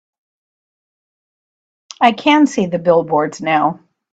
I can see the billboards now.